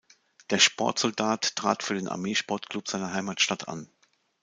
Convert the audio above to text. Der Sportsoldat trat für den Armeesportklub seiner Heimatstadt an.